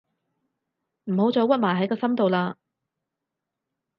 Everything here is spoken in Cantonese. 唔好再屈埋喺個心度喇